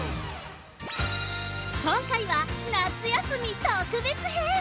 今回は、夏休み特別編。